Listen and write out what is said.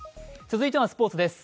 続いてはスポーツです。